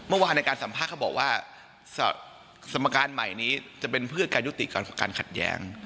เมื่อวานในการสัมภาษณ์เขาบอกว่าสมการใหม่นี้จะเป็นเพื่อการยุติการขัดแย้ง